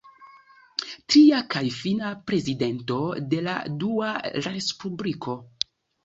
Tria kaj fina prezidento de la Dua respubliko.